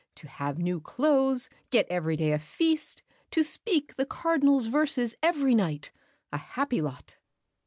To have new clothes, get every day a feast, To speak the Cardinal's verses every night, A happy lot!